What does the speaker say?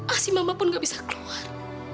asi mama pun gak bisa keluar